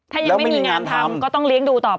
ถ้ายังไม่มีงานทำก็ต้องเลี้ยงดูต่อ